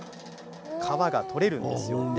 皮が取れるんです。